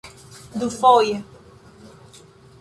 dufoje